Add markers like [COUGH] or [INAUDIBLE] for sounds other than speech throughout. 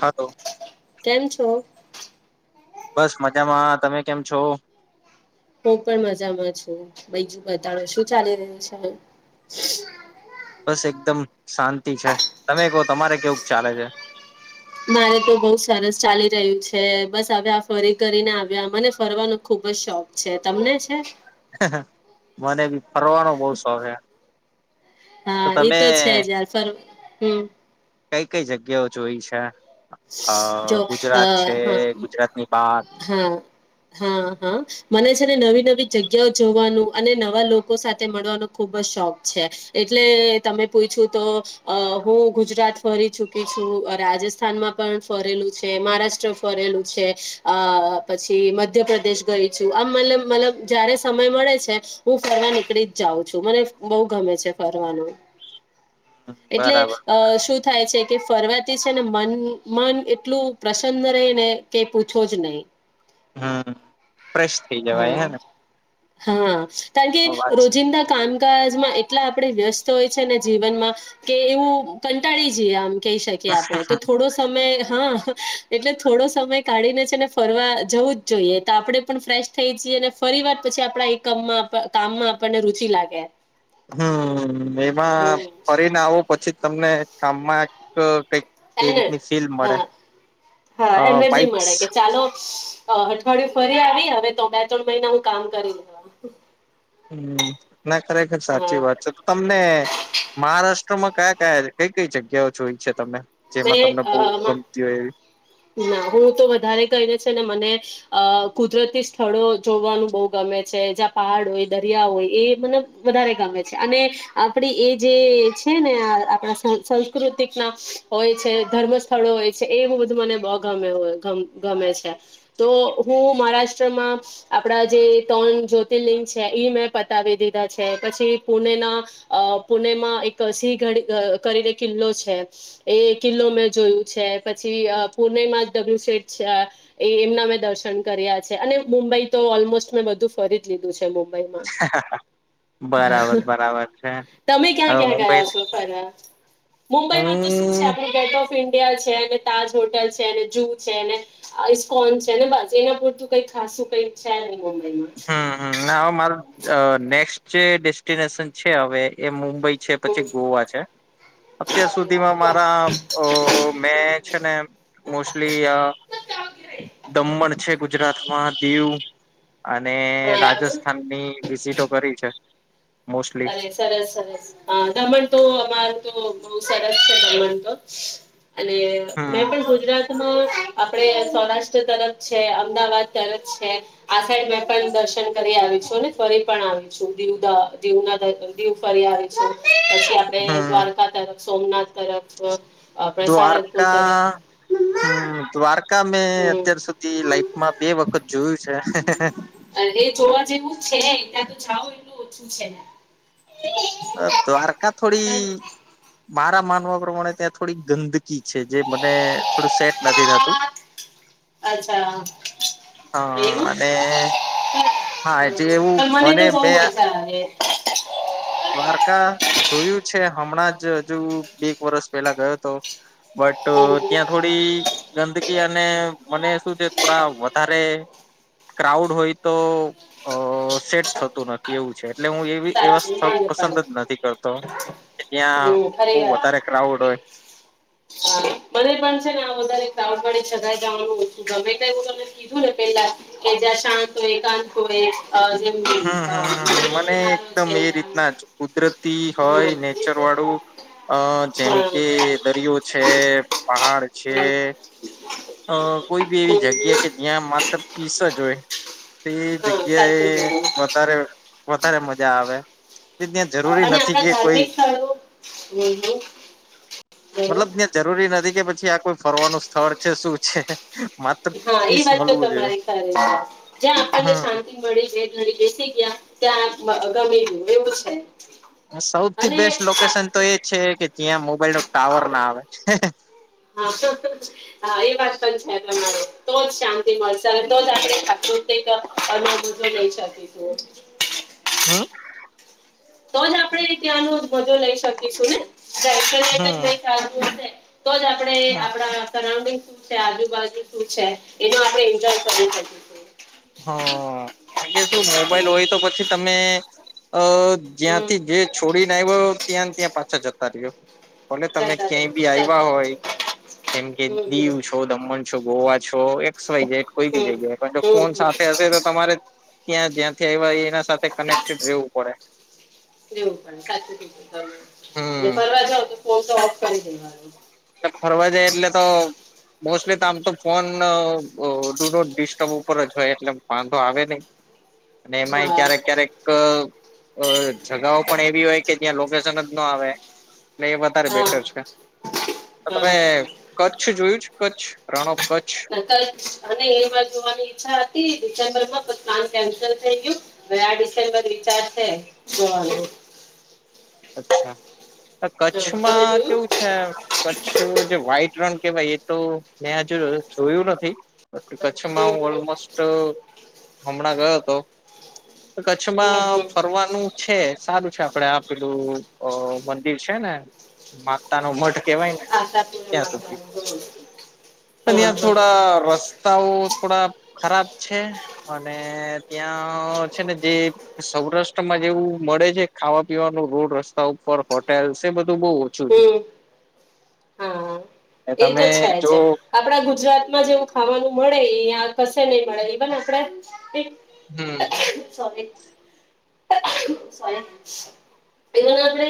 Hello કેમ છો? બસ મજામાં તમે કેમ છો? હું પણ મજામાં છું. બીજું બતાડો શું ચાલી રહ્યું છે? [INAUDIBLE] બસ એકદમ શાંતિ છે તમે કહો તમારે કેવુંક ચાલે છે? મારે તો બઉ સરસ ચાલી રહ્યું છે બસ આવ્યા ફરી કરીને આવ્યા મને ફરવાનો ખુબ જ શોખ છે તમને છે? મને ભી. ફરવાનો બઉ શોખ તો હા એ તમે છે જ યાર ફર હમ કઈ કઈ જગ્યાએ જોઈ છે. અ જો અ ગુજરાત છે હા ગુજરાતની બાર. હા હા હા મને છે ને નવી નવી જગ્યાઓ જોવાનું અને નવા લોકો સાથે મળવાનો ખુબ જ શોખ છે એટલે તમે પૂઇછું તો અ હું ગુજરાત ફરી ચુકી છું રાજસ્થાનમાં પણ ફરેલું છે મહારાષ્ટ્ર ફરેલું છે અ પછી મધ્યપ્રદેશ ગઈ છું આમ મતલ મતલબ જયારે સમય મળે છે હું ફરવા નીકળી જ જાઉં છું મને બહુ ગમે છે ફરવાનું. એટલે બરાબર અ શું થાય છે કે ફરવાથી છે ને મન મન એટલું પ્રસન્ન રેય ને કે પૂછો જ નહી. હા. ફ્રેશ થઈ જવાય હા હે ને. હા. કારણ વાત કે છે. રોજિંદા કામ તાજ માં એટલા આપડે વ્યસ્ત હોય છે ને જીવનમાં કે એવું કંટાળી જઈએ આમ. કેઈ શકીએ આપડે તો થોડો સમય હા એટલે થોડો સમય કાઢીને છે ને ફરવા જવું જ જોઈએ તો આપડે પણ ફ્રેશ થઈ જીએ અને ફરી વાર પછી આપડા એ કમાં કામમાં આપણને રુચિ લાગે. હમ એમાં હમ ફરીને આવો પછી તમને કામમાં ક એને હા હા અ એનર્જી વાઈબ્સ મળે કે ચાલો આ અઠવાડિયે ફરી આવી હવે તો બે ત્રણ મહિના હું કામ કરી દેવા હમ ના ખરેખર સાચી વાત છે તમને મહારાષ્ટ્રમાં કયા કયા કઈ કઈ જગ્યાઓ જોઈ છે? તમે મેં જેમાં તમને અ બહુ મા ગમતી હોય ના હું તો વધારે કરીને છે ને મને અ કુદરતી સ્થળો જોવાનું બહુ ગમે છે જ્યાં પહાડ હોય, દરિયા હોય એ મને વધારે ગમે છે અને આપડી એ જે છે ને આ આપણા સંસ્કૃતિકના હોય છે ધર્મ સ્થળો હોય છે એવું બધું મને બહુ ગમ ગમે છે તો હું મહારાષ્ટ્રમાં આપણા જે ત્રણ જ્યોતિર્લિંગ છે એ મેં પતાવી દીધા છે પછી પુણેના અ પુણેમાં એક સિંહઘડ કરીને એક કિલ્લો છે એ કિલ્લો મેં જોયું છે પછી પુણેમાં ડબલ્યુ સેટ છે અ એ એમના મેં દર્શન કર્યા છે અને મુંબઈ તો ઓલમોસ્ટ મેં બધું ફરી જ લીધું છે મુંબ ઈમા એવી બરાબર હા બરાબર છે તમે ક્યાં હવે ક્યાં મુંબઈ ગયા છો ફરવા? હું મુંબઈમાં શું છે આપણે ગેટ ઓફ ઇન્ડિયા છે ને તાજ હોટલ છે ને જુહ છે ને ઈસ્કોન છેને બસ એના પૂરતું કઈ ખાસું કઈક છે નહીં બો હ હ ના અવે મારો નેક્સ્ટ જે ડેસ્ટિનેશન છે હવે એ મુંબઈ હા પછી ગોવા છે અત્યાર સુધીમાં મારા અ મેં છેને મોસ્ટલી અ દમણ છે ગુજરાત એમાં દીઉ અને રાજસ્થાનની વિઝિટો કરી છે. મોસ્ટલી અરે સરસ સરસ હા દમણ તો અમાર તો બહુ સરસ છે [UNINTELLIGIBLE] અને મેં હમ પણ ગુજરાત મા આપણે સૌરાષ્ટ્ર તરફ છે, અમદાવાદ તરફ છે આ સાઈડ મેં પણ દર્શન કરી આવી છું અને ફરી પણ આવી છું દીવ દ અ દીવ ના દીવ ફરી આવી છું. આપણે હમ દ્વારકા તરફ, સોમનાથ તરફ, સારંગપુર તરફ દ્વારકા મે હમ અત્યાર સુધી લાઈફમાં બે વખત જોયું છે. તમે જાવ એટલું ઓછું છે. અ દ્વારકા થોડી ને મારા માનવા પ્રમાણે ત્યાં થોડી ગંદ કી છે જે મને થોડું સેટ નથી થાતું અચ્છા હા એવું અને હા જે એવું પણ મને તો બહુ મેં મજા આવે દ્વારકા જોયું છે હમણાં જ હજુ બે એક વરષ પેહલા ગયો હતો. બટ હમ ત્યાં થોડી ગંદકી અને મને શું છે થોડા વધારે ક્રાઉડ હોય તો અ સેટ થતું નથી એવું છે એટલે હું એવા સાચું સ્થળ મને પસંદ પણ જ નથી કરતો કે ત્યાં હમ બહુ ખરી વાત વધારે ક્રાઉડ હોય. મને પણ છે ને વધારે ક્રાઉડવાળી જગાએ જાવાનું ઓછું ગમે તેમ તમે કીધુંને પેહલા કે જ્યાં શાંત હોય શાંત હોય અ જેમ અ નદી હમ્મ હમ્મ મને કિનારો એકદમ છે એ આમ રીતના જ કુદરતી હમ હોય હમ નેચરવાળું અ જેમ કે દરિયો છે. પહાડ છે હમ અ કોઈ બી એવી હમ જગ્યા હમ કે જ્યાં માત્ર પીસ જ હોય. તે હા સાચું જગ્યાએ કીધું વધારે વધારે મજા આવે. ત્યાં અ, જરૂરી અને નથી આપણા કે કોઈ ધાર્મિક સ્થળો હમ હમ બોલો મતલબ ત્યા જરૂરી નથી. કે પછી આ કોઈ ફરવાનું સ્થળ. છે શું છે. માત્ર હા એ પીસ વાત તો મળવું જોઈએ તમારી ખરે છે જ્યાં આપણને હમ શાંતિ મળી બે ઘડી બેસી ગયા. ત્યાં ગમેલું. સૌથી બેસ્ટ લોકેશન હા તો એ છે કે. કેયાં મોબાઈલ નો ટાવર ના આવે. હા એ વાત પણ છે તો જ શાંતિ મળશે અને તો જ આપણે પ્રાકૃતિક અનુભવ લઈ શકીશું. હા. તો જ આપડણે ત્યાંનો મજો લઈ શકીશું ને. દક્ષ હમ તને [UNINTELLIGIBLE] તો જ આપે હા આપડા સરાઉન્ડિંગ. આજુબાજુ શું છે એનો આપણે એન્જોય કરી શકીશું. હ કારણ કે શું મોબાઈલ હોય તો પછી તમે. અ હમ જ્યાંથી જે છોડીને આવ્યો ત્યાં ત્યાં પાછા જતા. તાર્યો. તમે જતા રહેવું ક્યાંય બી છે. આવ્યા સાચું હોય કીધું જેમ કે હમ હમ દીવ છો, દમણ છો, ગોવા છો એકસ વાય ઝડ કોઈ બી હમ જગ્યા પણ જો. હમ ફોન હમ સાથે હશે તો તમારે. ત્યાં જ્યાંથી આવ્યા એ. કેવું પણ સાચું એટલે હમ ફરવા જાવ તો. ફોન તો ઓફ કરી દેવાનું. ફરવા જાય એટલે તો મોસ્ટલી તો આમ તો ફોન ડૂનો ડિસ્ટર્બ ઉપર જ હોય એટલે વાંધો આવે નહી. અને એમાંય ક્યારેક ક્યારેક. અ જગાઓ પણ એવી હોય કે જ્યાં લોકેશન જ ના આવે. ન એ વધારે હા બેટર છે. તો હા તમે હા કચ્છ જોયું છે. કચ્છ પ્રણો. અને એમાં જોવાની ઈચ્છા હ ડિસેમ્બરમાં પ્લાન કેન્સલ થઈ ગયું ગયા ડિસેમ્બર વિચારશે જોવાનું. અચ્છા. હા તમે કચ્છમાં જોયું કેવું છે કચ્છ જે વ્હાઈટ. ણ કેવાય એ તો મેં હજુ જોયું નથી. કચ્છમાં હમ ઓલમોસ્ટસ્ટ હમણાં ગયો તો હમ હમ કચ્છમાં હમ ફરવાનું છે સારું છે. આપડે આપ પેલું અ મંદિર છે ને માતાનો મઢ કેવાયને આશાપુરા ત્યાં સુધી. માતાનું જોવાનું. પણ હા ન્યાં હા થોડા રસ્તાઓ થોડા ખરાબ છે. અને ત્યાં છે ને જે સૌરાષ્ટ્રમાં જેવું મળે છે ખાવા તેવા રોડ-રસ્તા ઉપર હોટેલ સે બધી તો બઉ ઓછું છે. હમ હા એ તો તમે છે જ. જો આપડા ગુજરાતમાં જેવું ખાવાનું મળે કશે નઈ મળે. ઇવન આપડે હમ સોરી સોરી. એ આપડે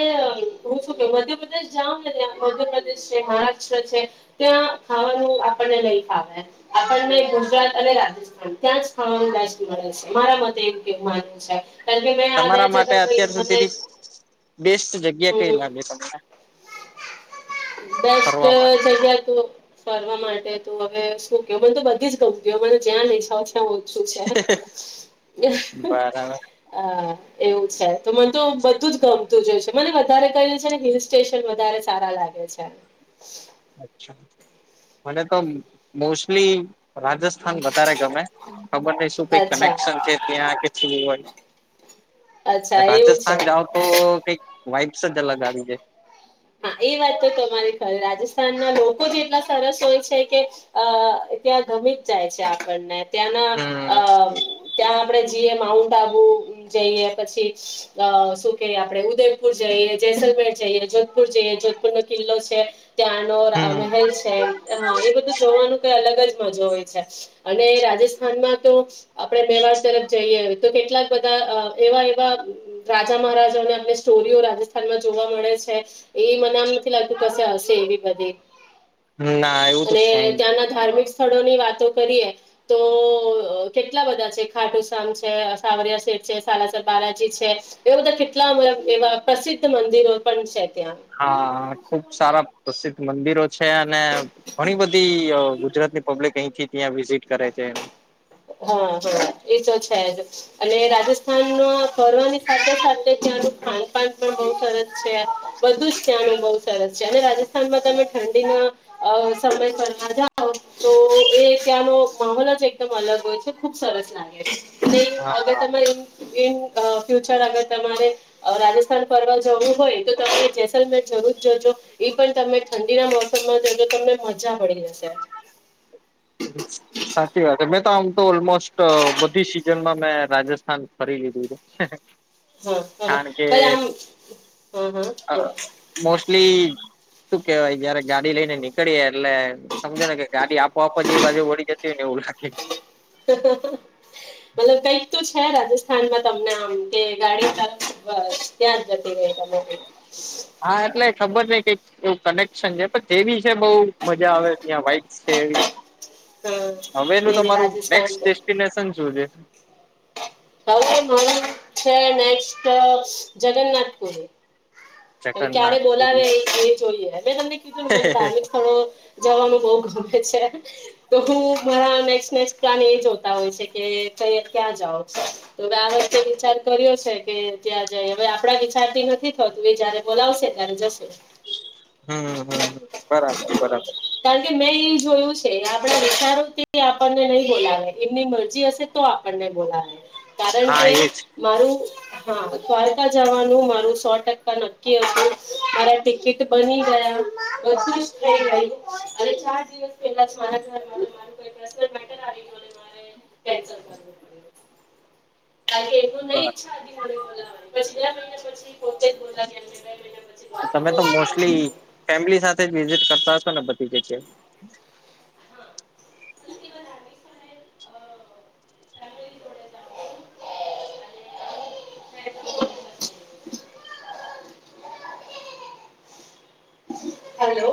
હુ શું કવ મધ્યપ્રદેશ જાવા યા મધ્યપ્રદેશ છે, મહારાષ્ટ્ર છે. ત્યા ખાવાનું આપડને નઈ ફાવે. આપડને ગુજરાત અને રાજસ્થાન ત્યાં જ ખાવાનું બેસ્ટ મળે છે. મારા મતે એમ કેવું માનવુ છે. કે મેં આ બે તમારા માટે જગા અત્યાર ગઈને મને સુધીની બેસ્ટ જગ્યા કઈ લાગે તમને. [INAUDIBLE] અ ફરવા માટે જગ્યા તો ફરવા માટે તો હવે શું કેવું મન તો બધી જ ગમે [UNINTELLIGIBLE] મને જ્યાં લઈ જાવ ઓછું છે. બરાબર અ એવું છે. તો મન તો બધું જ ગમતું જ હોય છે. મને વધારે કઈ છે ને હિલ સ્ટેશન વધારે સારા લાગે છે. [INAUDIBLE] અચ્છા. મને તો મોસ્ટલી રાજસ્થાન વધારે ગમે ખબર નઈ શું કઈક અચ્છા કનેક્શન છે ત્યાં કે છેવું હોય. અચ્છા એવું રાજસ્થાન છે. જાવ તો કઈક વાઈટસ જ અલગ આવી જાય. હા, એ વાત તો તમારી ખરી રાજસ્થાનના લોકો જ એટલા સરસ હોય છે કે અ ત્યાં ગમી જ જાય છે. આપડને. ત્યાંના અ હમ ત્યાં આપડે જીએ માઉન્ટ આબુ જઈએ. પછી અ શું કે આપડે ઉદયપુર જઈએ, જેસલમેર જઈએ પુર જઈએ, જોધપુરનો કિલ્લો છે. ત્યાંનો હમ મહેલ છે. હ એ બધું જોવાનું કઈ અલગ જ મજો હોય છે. અને રાજસ્થાનમાં તો આપડે મેવાડ તરફ જઈએ તો કેટલાક બધા અ એવા એવા રાજા-મહારાજાના અને સ્ટોરીઓ રાજસ્થાનમાં જોવા મળે છે. વધી ના એવું તો અને ક્યાંય નથી. ત્યાંના ધાર્મિક સ્થળોની વાતો કરીએ તો અ કેટલા બધા છે. ખાટુસામ છે, સાવરિયા શેઠ છે, સાલાસર બાલાજી છે, એવા બધા કેટલા મતલબ એવા પ્રસિદ્ધ મંદિરો પણ છે ત્યાં. હા ખુબ સારા પ્રસિદ્ધ મંદિર. છે, અને ઘણી બધી ગુજરાત ની પબ્લિક અહીંથી. ત્યાં વિઝિટ કરે છે. હા હા એ તો છે, જ અને રાજસ્થાનમાં ફરવાની સાથે સાથે ત્યાંનું ખાનપાન પણ બહુ સરસ છે, બધું જ ત્યાંનું બહુ સરસ છે, અને રાજસ્થાનમાં તમે ઠંડીના સમય પર ના જાઓ તો એ ત્યાંનો માહોલ જ એકદમ અલગ. ગચ ખુબ સરસ [UNINTELLIGIBLE] છે. હા [INAUDIBLE] ઇન ફ્યુચર અગર તમારે રાજસ્થાન ફવા જવું હોય તો તમે જેસલમેર જરૂર જજો એ પણ તમે ઠંડીના મોસમમાં જજો તમે. મજા પડી જશે. સાચી [UNINTELLIGIBLE] તો ઓલમોસ્ટ બધી સિઝનમાં મેં રાજસ્થાન ફરી લીધું છે. હા હા હ [UNINTELLIGIBLE] આમ. હા હા અ બોલો મોસ્ટલી. શું કેવાય જયારે ગાડી લઈ ને નીકળી. એટલે સમજો ને કે ગાડી આપોઆ જે બાજુ વળી જતી હો ને એવું લાગે. [UNINTELLIGIBLE] મતલબ કઈક તો છે રાજસ્થાનમાં તમને આમ કે ગાડી [UNINTELLIGIBLE] ત્યાં. જ જતી રહી તમારી હા એટલે ખબર નહ કઈ. એવું કનેક્શન છે, પણ જેવી છે, બઉ મજા આવે ત્યાં વાઇટ છે, એ. હા હવે એનું નઈ નઈ તમારું રાજસ્થાન નેક્સ્ટ તો ડેસ્ટિનેશન શું છે. હવે છે, [INAUDIBLE] જગન્નાથપુરે હવે ક્યારે જગન્નાથ બોલાવે પુરી એ જોઈએ મેં તમને કીધું મને ધાર્મિક સ્થળો જવાનું બઉ તો મારા [UNINTELLIGIBLE] પ્લાન એ જોતા હોય છે, કે [UNINTELLIGIBLE] ક્યાં [UNINTELLIGIBLE] તો હવે આ વખતે વિચાર કર્યો છે, કે ત્યાં જાય હવે આપણા વિચાર નથી થતું એ જયારે બોલાવશે ત્યારે જ હમ હમ બરાબર હમ બરાબર. કારણ કે મેં એ જોયું છે, આપણે વિચારો આપણને નહી બોલાવે એમની મરજી હશે તો આપણને બોલાવે. કારણ કે હા એજ મારું. હા દ્વારકા જવાનું મારું સો ટકા નક્કી હતું મારા ટિકિટ બની ગયા બધ અને ચાર દિવસ પલા [INAUDIBLE] [UNINTELLIGIBLE] કે એમનું નહી બરાબર ઈચ્છા હતી મને બોલાવાની પછી બે મહિના પછી પોતે જ બોલાવી બે મહિના પછી. તમે તો મોસ્ટલી [UNINTELLIGIBLE] છે. [INAUDIBLE] હેલો